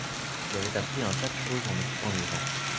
Il avait appris un tas de choses en écoutant les gens.